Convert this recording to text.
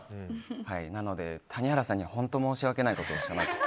なので、谷原さんには本当に申し訳ないことをしたなと。